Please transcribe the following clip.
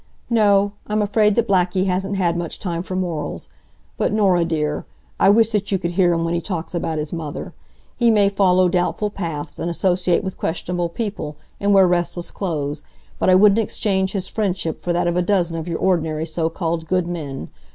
"No, I'm afraid that Blackie hasn't had much time for morals. But, Norah dear, I wish that you could hear him when he talks about his mother. He may follow doubtful paths, and associate with questionable people, and wear restless clothes, but I wouldn't exchange his friendship for that of a dozen of your ordinary so called good men.